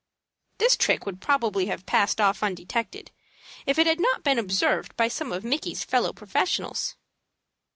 This trick would probably have passed off undetected, if it had not been observed by some of Micky's fellow professionals.